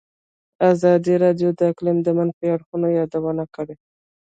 ازادي راډیو د اقلیم د منفي اړخونو یادونه کړې.